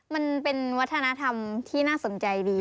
มันเป็นวัฒนธรรมที่น่าสนใจดี